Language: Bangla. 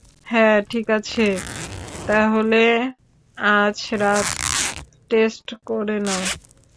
হ্যাঁ, ঠিকাছে, তাহলে আজ রাত টেস্ট করে নাও?